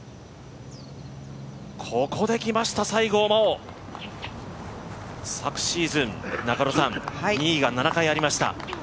ここできました、西郷真央。昨シーズン、２位が７回ありました。